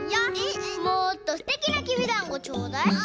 もっとすてきなきびだんごちょうだい！